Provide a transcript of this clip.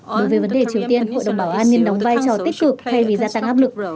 đối với vấn đề triều tiên hội đồng bảo an niên đóng vai trò tích cực thay vì gia tăng áp lực